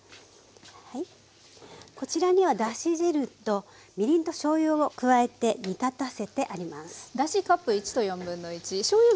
こちらにはだし汁とみりんとしょうゆを加えて煮立たせてあります。